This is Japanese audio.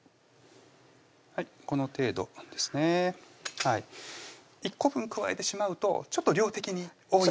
はいこの程度ですね１個分加えてしまうとちょっと量的に多いんですね